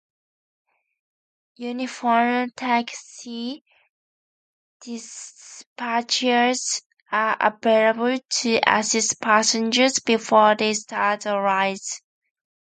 Uniformed taxi dispatchers are available to assist passengers before they start the rides.